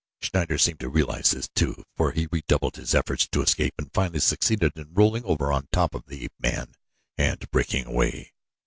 Schneider seemed to realize this too, for he redoubled his efforts to escape and finally succeeded in rolling over on top of the ape man and breaking away.